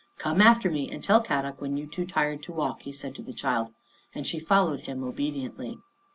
" Come after me and tell Kadok when you too tired to walk," he said to the child, and she followed him obediently.